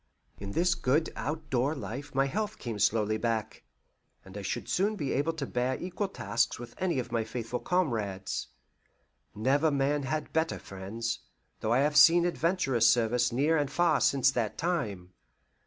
In this good outdoor life my health came slowly back, and I should soon be able to bear equal tasks with any of my faithful comrades. Never man led better friends, though I have seen adventurous service near and far since that time.